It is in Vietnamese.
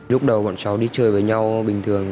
lúc đầu bọn cháu đi chơi với nhau bình thường